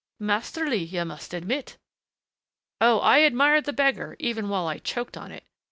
"Masterly, you must admit." "Oh, I admired the beggar, even while I choked on it.